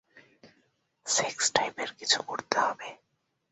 Sex টাইপের কিছু করতে হবে?